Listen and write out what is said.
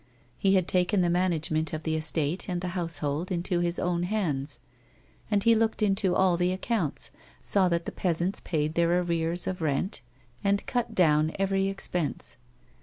He had taken the management of the estate and the house hold into his own hands, and he looked into all the accounts, saw that the peasants paid their arrears of rent, and cut down every expense.